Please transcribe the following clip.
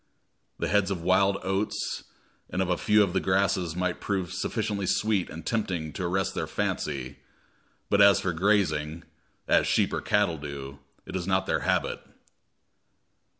The heads of wild oats and of a few of the grasses might prove sufficiently sweet and tempting to arrest their fancy; but as for grazing, as sheep or cattle do, it is not their habit.